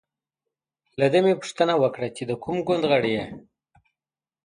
له ده مې پوښتنه وکړه چې د کوم ګوند غړی یې.